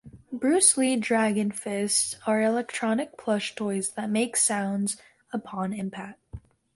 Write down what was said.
Bruce Lee Dragon Fists are electronic plush toys that make sounds upon impact.